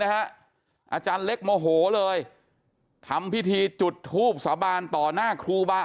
อาจารย์เล็กโมโหเลยทำพิธีจุดทูบสาบานต่อหน้าครูบา